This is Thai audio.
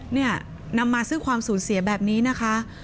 เนี่ยนำมาซึ่งความสูญเสียแบบนี้นะคะ